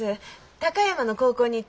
高山の高校に行ってます。